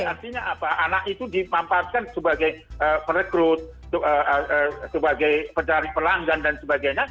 jadi artinya apa anak itu dimamparkan sebagai perekrut sebagai pencari pelanggan dan sebagainya